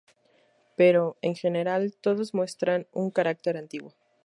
Pero, en general, todos muestran un carácter antiguo.